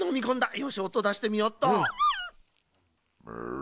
よしおとだしてみよっと。